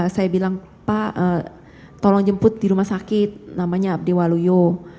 saya bilang pak tolong jemput di rumah sakit namanya abdewaluyo